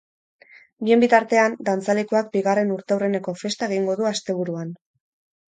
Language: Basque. Bien bitartean, dantzalekuak bigarren urteurreneko festa egingo du asteburuan.